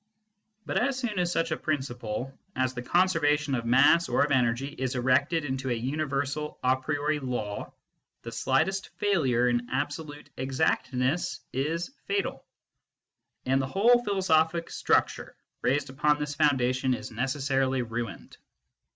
But as soon as such a principle as the conservation of mass or of energy is erected into a universal a priori law, the slightest failure in absolute exactness is fatal, and the whole philosophic structure raised upon this foundation is necessarily ruined.